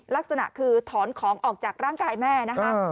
ลักษณะคือถอนของออกจากร่างกายแม่นะคะ